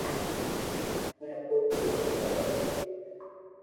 ھمي اپو ري غربت حتم ھوئي گئي ھي